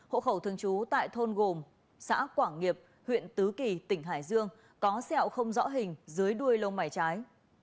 hộ khẩu thường trú tại thôn gồm xã quảng nghiệp huyện tứ kỳ tỉnh hải dương có sẹo không rõ hình dưới đuôi lông mày trái